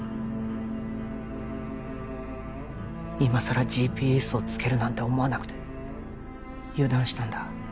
今さらＧＰＳをつけるなんて思わなくて油断したんだ